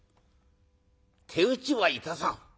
「手討ちはいたさん。